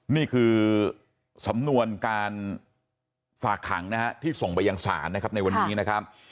นี่คือสำนวนการฝากขังนะฮะที่ส่งไปยังศาลนะครับในวันนี้นะครับ